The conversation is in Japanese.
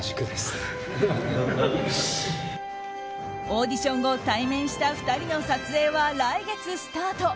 オーディション後対面した２人の撮影は来月スタート。